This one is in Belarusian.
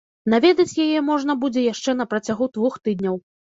Наведаць яе можна будзе яшчэ на працягу двух тыдняў.